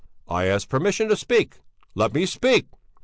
"I ask permission to speak! Let me speak!"